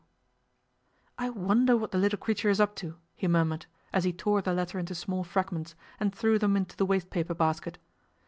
'I wonder what the little creature is up to?' he murmured, as he tore the letter into small fragments, and threw them into the waste paper basket.